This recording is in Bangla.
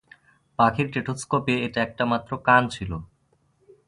পাখির স্টেথোস্কোপে একটা মাত্র কান ছিল।